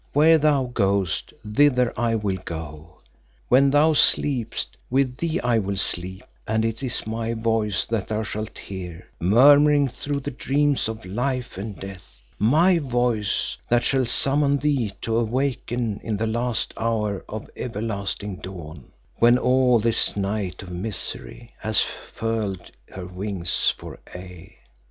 Where thou goest, thither I will go. When thou sleepest, with thee will I sleep and it is my voice that thou shalt hear murmuring through the dreams of life and death; my voice that shall summon thee to awaken in the last hour of everlasting dawn, when all this night of misery hath furled her wings for aye.